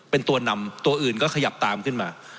เป็นตัวนำตัวอื่นก็ขยับตามขึ้นมา